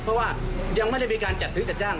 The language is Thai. เพราะว่ายังไม่ได้มีการจัดซื้อจัดจ้าง